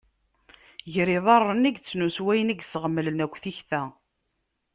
Gar yiḍarren i yettnus wayen i yesɣemlen akk tikta.